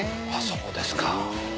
そうですかぁ。